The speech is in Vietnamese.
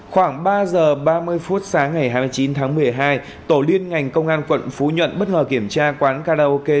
khoảng ba giờ ba mươi phút sáng ngày hai mươi chín tháng một mươi hai tổ liên ngành công an quận phú nhuận bất ngờ kiểm tra quán karaoke